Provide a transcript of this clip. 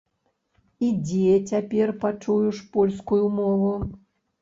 І дзе цяпер пачуеш польскую мову?